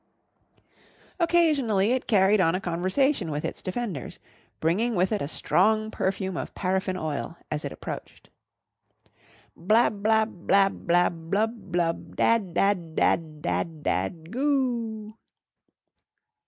Occasionally it carried on a conversation with its defenders, bringing with it a strong perfume of paraffin oil as it approached. "Blab blab blab blab blub blub Dad dad dad dad dad. Go o o o."